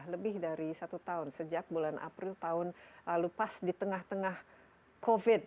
lebih dari satu tahun sejak bulan april tahun lalu pas di tengah tengah covid